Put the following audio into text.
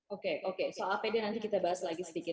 oke oke soal apd nanti kita bahas lagi sedikit